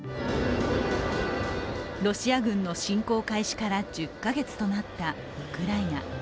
ロシア軍の侵攻開始から１０か月となったウクライナ。